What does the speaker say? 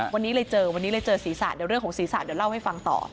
วันนี้เลยเจอวันนี้เลยเจอศีรษะเดี๋ยวเรื่องของศีรษะเดี๋ยวเล่าให้ฟังต่อ